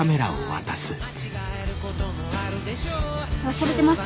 忘れてます